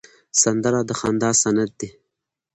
سندره د خندا سند دی